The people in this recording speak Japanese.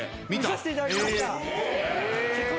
見させていただきましたチェコ戦。